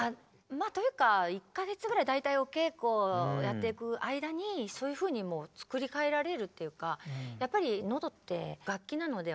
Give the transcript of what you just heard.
まあというか１か月ぐらい大体お稽古やっていく間にそういうふうにもう作り替えられるっていうか